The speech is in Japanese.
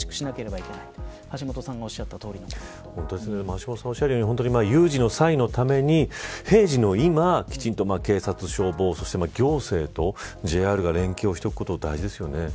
橋下さんがおっしゃるように有事の際のために、平時の今きちんと警察、消防、行政とＪＲが連携をしておくことが大事ですよね。